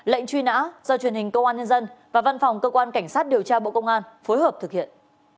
lệnh truy nã do truyền hình công an nhân dân và văn phòng cơ quan cảnh sát điều tra bộ công an phối hợp thực hiện